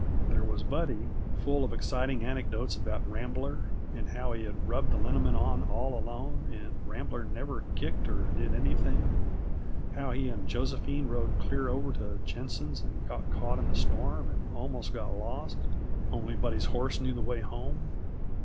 There was Buddy, full of exciting anecdotes about Rambler, and how he had rubbed the liniment on, all alone, and Rambler never kicked or did a thing; and how he and Josephine rode clear over to Jenson's and got caught in the storm and almost got lost only Buddy's horse knew the way home.